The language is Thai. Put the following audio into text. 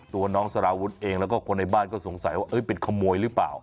ตัวน้องสารวุฒิเองแล้วก็คนในบ้านก็สงสัยว่าเป็นขโมยหรือเปล่า